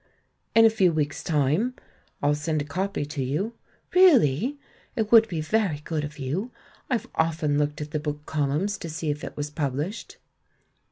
"In a few weeks' time — I'll send a copy to you." "Really? It would be very good of you. I've often looked at the book columns to see if it was published."